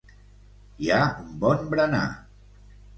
Hi ha un bon berenar!